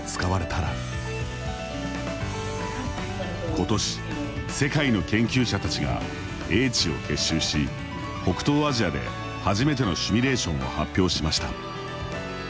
今年、世界の研究者たちが英知を結集し、北東アジアで初めてのシミュレーションを発表しました。